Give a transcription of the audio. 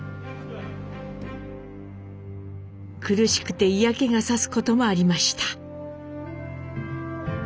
苦しくて嫌気がさすこともありました。